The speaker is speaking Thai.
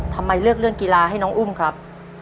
ทำไมเลือกเรื่องกีฬาให้น้องอุ้มครับ